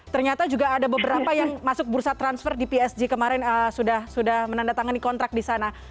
ternyata juga ada beberapa yang masuk bursa transfer di psg kemarin sudah menandatangani kontrak di sana